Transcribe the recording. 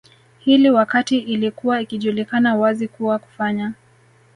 hili wakati ilikuwa ikijulikana wazi kuwa kufanya